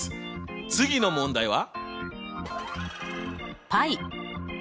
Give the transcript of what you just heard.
次の問題は？